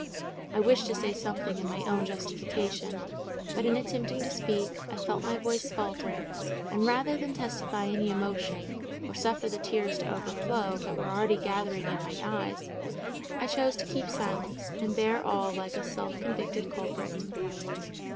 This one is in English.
I wished to say something in my own justification; but in attempting to speak, I felt my voice falter; and rather than testify any emotion, or suffer the tears to overflow that were already gathering in my eyes, I chose to keep silence, and bear all like a self convicted culprit.